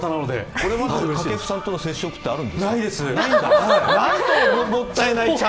これまで掛布さんとの接触ってあるんですか？